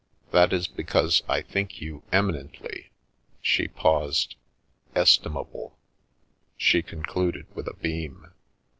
That is because I think you eminently "— she paused —" estimable/' she concluded with a beam.